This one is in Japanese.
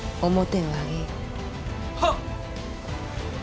はっ！